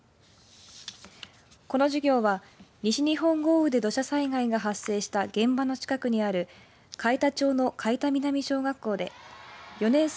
この事業は西日本豪雨で土砂災害が発生した現場の近くにある海田町の海田南小学校で４年生